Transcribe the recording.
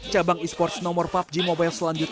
cabang esports nomor pubg mobile selanjutnya akan dipercaya